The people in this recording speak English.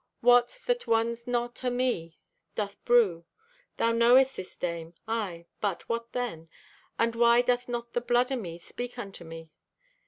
What that one not o' me doth brew. Thou knowest this, dame. Aye, but what then? And why doth not the blood o' me speak unto me?